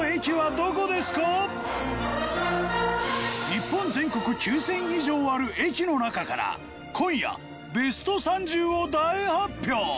日本全国９０００以上ある駅の中から今夜ベスト３０を大発表！